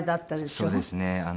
そうですね。